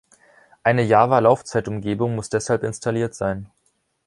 Eine Java-Laufzeitumgebung muss deshalb installiert sein.